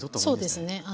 そうですね